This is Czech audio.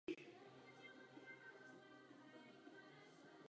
Nějaký čas zabralo provedení úprav.